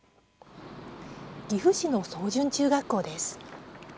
岐阜市の草潤中学校です。